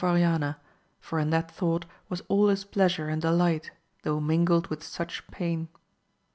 Oriana, for in that thought was all his pleasure and delight though mingled with such pain.